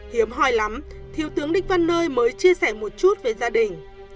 hiếm hoi lắm thiếu tướng đích văn nơi mới chia sẻ một chút về gia đình